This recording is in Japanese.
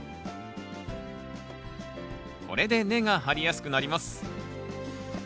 これで根が張りやすくなります。